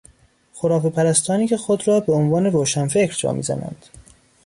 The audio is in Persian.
خرافهپرستانی که خود را به عنوان روشنفکر جا میزنند